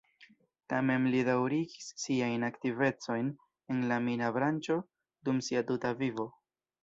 Tamen li daŭrigis siajn aktivecojn en la mina branĉo dum sia tuta vivo.